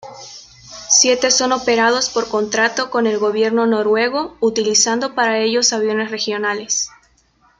Siete son operados por contrato con el gobierno noruego utilizando para ellos aviones regionales.